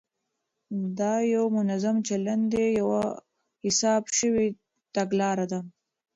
دا یو منظم چلند دی، یوه حساب شوې تګلاره ده،